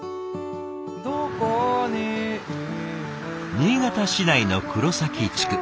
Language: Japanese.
新潟市内の黒埼地区。